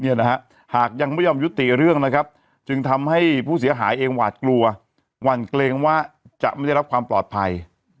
นะฮะหากยังไม่ยอมยุติเรื่องนะครับจึงทำให้ผู้เสียหายเองหวาดกลัวหวั่นเกรงว่าจะไม่ได้รับความปลอดภัย